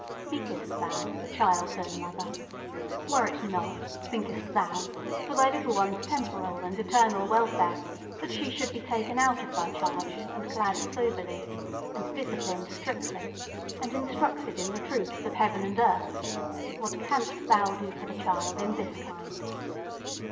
Speak thou, the child's own mother! Were it not, thinkest thou, for thy little one's temporal and eternal welfare that she be taken out of thy charge, and clad soberly, and disciplined strictly, and instructed in the truths of heaven and earth? What canst thou do for the child in this kind?"